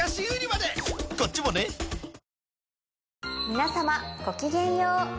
皆様ごきげんよう。